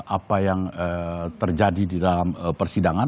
apa yang terjadi di dalam persidangan